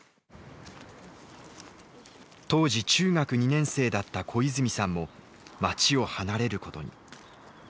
当時中学２年生だった小泉さんも町を離れることに。